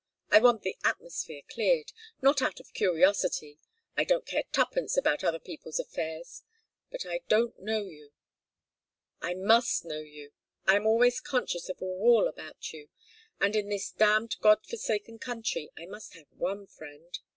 I want the atmosphere cleared not out of curiosity I don't care tuppence about other people's affairs but I don't know you! I must know you! I am always conscious of a wall about you and in this damned God forsaken country I must have one friend!"